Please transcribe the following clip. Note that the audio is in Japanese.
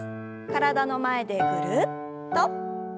体の前でぐるっと。